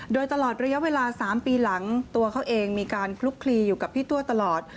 โดยตลอดระยะเวลา๓ปีหลังตัวเขาเองมีการคลุกคลีอยู่กับพี่ตัวตลอด